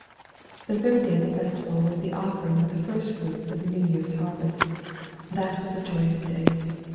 The third day of the festival was the offering of the first fruits of the new year's harvest. That was a joyous day.